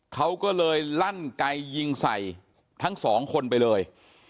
เขาก็เลยลั่นไกยิงใส่ทั้งสองคนไปเลย